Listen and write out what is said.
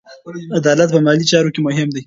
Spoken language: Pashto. عدالت په مالي چارو کې مهم دی.